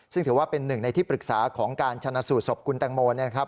ซึ่งถือว่าเป็นหนึ่งในที่ปรึกษาของการชนะสูตรศพคุณแตงโมนะครับ